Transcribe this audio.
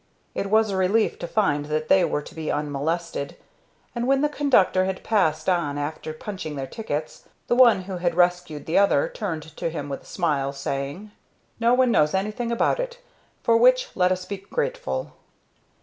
It was a relief to find that they were to be unmolested, and when the conductor had passed on after punching their tickets, the one who had rescued the other turned to him with a smile, saying: "No one knows anything about it, for which let us be grateful."